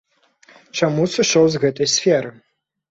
Чаму сышоў з гэтай сферы?